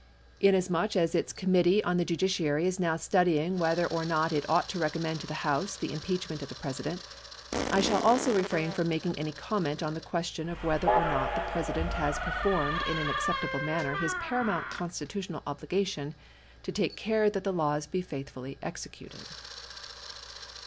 Inasmuch as its Committee on the Judiciary is now studying whether or not it ought to recommend to the House the impeachment of the President, I shall also refrain from making any comment on the question of whether or not the President has performed in an acceptable manner his paramount constitutional obligation "to take care that the laws be faithfully executed."